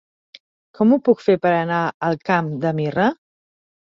Com ho puc fer per anar al Camp de Mirra?